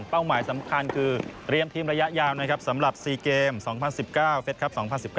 หมายสำคัญคือเตรียมทีมระยะยาวนะครับสำหรับ๔เกม๒๐๑๙เซตครับ๒๐๑๙